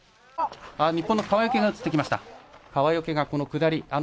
日本の川除が下り。